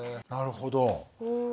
なるほど。